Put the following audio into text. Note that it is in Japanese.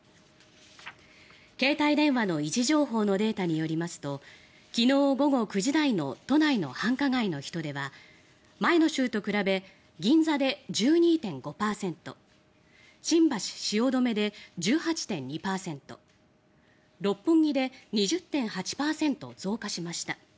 携帯電話の位置情報のデータによりますと昨日午後９時台の都内の繁華街の人出は前の週と比べて銀座で１２．５％新橋・汐留で１８．２％六本木で２０．８％増加しました。